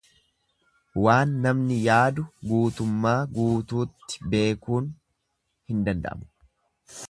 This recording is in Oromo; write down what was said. Waan namni yaadu guutummaa guutuutti beekuun hin danda'amu.